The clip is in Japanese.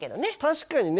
確かにね。